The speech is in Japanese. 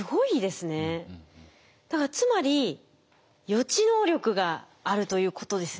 だからつまり予知能力があるということですね。